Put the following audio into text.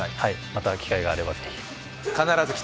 また機会があればぜひ。